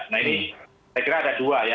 nah ini saya kira ada dua ya